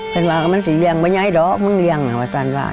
เพราะว่ามันสิเรียงว่ายายดอกมันเรียงนะว่าสันว่า